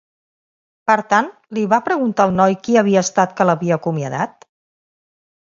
Per tant, li va preguntar al noi qui havia estat que l'havia acomiadat?